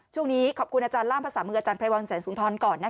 ช่วงนี้ขอบคุณอาจารย์ล่ามภาษามืออาจารย์ไพรวัลแสนสุนทรก่อน